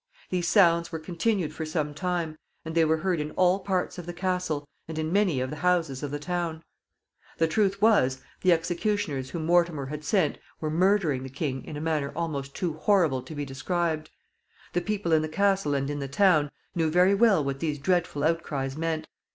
These sounds were continued for some time, and they were heard in all parts of the castle, and in many of the houses of the town. The truth was, the executioners whom Mortimer had sent were murdering the king in a manner almost too horrible to be described.[B] The people in the castle and in the town knew very well what these dreadful outcries meant.